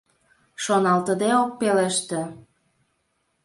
Шоналтыде ок пелеште.